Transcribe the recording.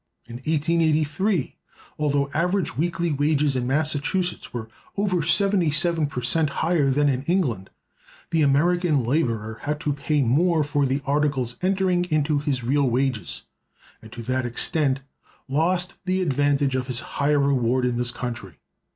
In 1883, although average weekly wages in Massachusetts were over 77 per cent higher than in England, the American laborer had to pay more for the articles entering into his real wages; and to that extent lost the advantage of his higher reward in this country.